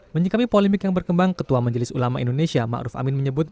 menyikapi polemik yang berkembang ketua majelis ulama indonesia ma'ruf amin menyebut